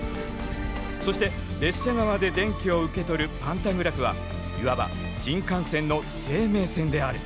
そして列車側で電気を受け取るパンタグラフはいわば新幹線の生命線である。